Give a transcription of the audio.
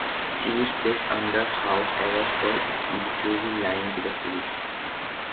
She is placed under house arrest for initially lying to the police.